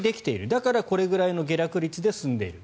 だから、これぐらいの下落率で済んでいる。